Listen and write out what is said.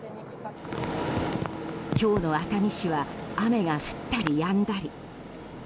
今日の熱海市は雨が降ったりやんだり。